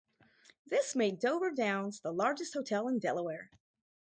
This made Dover Downs the largest hotel in Delaware.